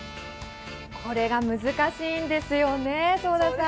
これが難しいんですよね、早田さん。